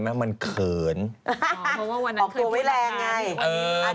มีหรือจะไม่เจอ